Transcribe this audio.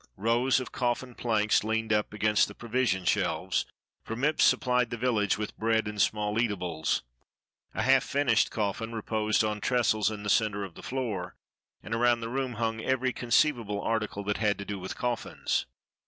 Rows of coffin planks leaned up against the provision shelves, for Mipps supplied the village with bread and small eatables. A half finished coffin reposed on trestles in the centre of the floor, and around the room hung every conceivable article that had to do with coffins.